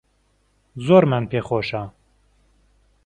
زۆرمان پێخۆشە